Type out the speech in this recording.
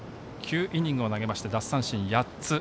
９イニングを投げて、奪三振４つ。